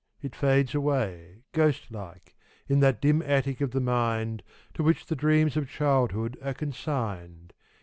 It fades away, Ghost like, in that dim attic of the mind To which the dreams of childhood are consigned.